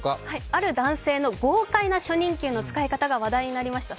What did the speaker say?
ある男性の豪快な初任給の使い方が話題になりました。